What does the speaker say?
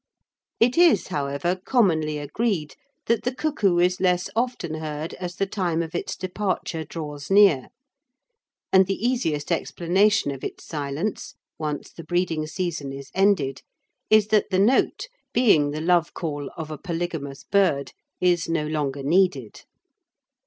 It is, however, commonly agreed that the cuckoo is less often heard as the time of its departure draws near, and the easiest explanation of its silence, once the breeding season is ended, is that the note, being the love call of a polygamous bird, is no longer needed.